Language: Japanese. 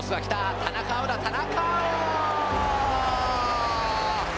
田中碧だ、田中碧！